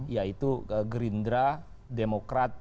yaitu gerindra demokrat